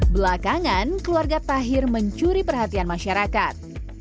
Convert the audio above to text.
belakangan keluarga tahir mencuri perhatian masyarakat